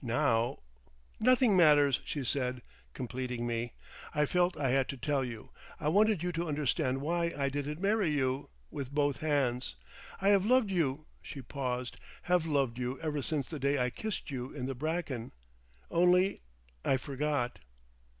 Now—" "Nothing matters," she said, completing me. "I felt I had to tell you. I wanted you to understand why I didn't marry you—with both hands. I have loved you"—she paused—"have loved you ever since the day I kissed you in the bracken. Only—I forgot."